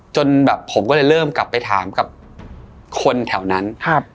จนแบบผมก็เลยเริ่มกลับไปถามกับคนแถวนั้นครับ